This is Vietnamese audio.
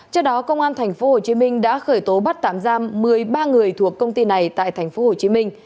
trước đó công an tp hcm đã khởi tố bắt tạm giam một mươi ba người thuộc công ty này tại tp hcm